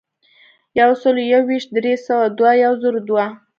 یو سلو یو ویشت ، درې سوه دوه ، یو زرو دوه.